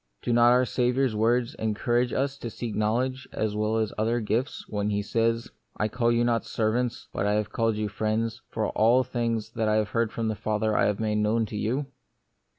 Do not our Saviour's words encour age us to seek knowledge as well as other gifts, when He says, " I call you not servants, but I have called you friends, for all things that I have heard of my Father I have made known unto you."